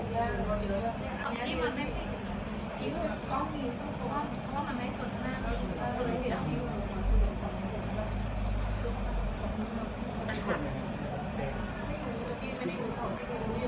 ก็มีก็มีมันได้ต้นหน้าไปเจาะ